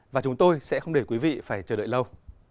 và chúng tôi sẽ không để quý vị phải chờ đợi lâu